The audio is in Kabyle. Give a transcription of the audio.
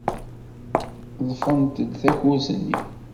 Ḍḍfent-d takurt-nni.